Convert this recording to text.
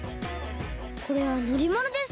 これはのりものですね。